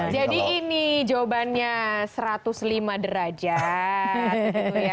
jadi ini jawabannya satu ratus lima derajat